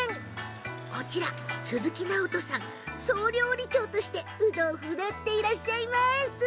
こちらの鈴木直登さん総料理長として腕を振るっていらっしゃいます。